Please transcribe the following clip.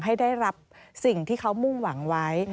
ให้ได้รับสิ่งที่เขามุ่งหวังไว้